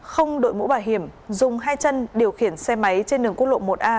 không đuổi mũ bảo hiểm dùng hai chân điều khiển xe máy trên đường cốt lộ một a